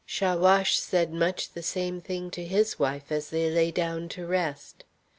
Chaouache said much the same thing to his wife as they lay down to rest.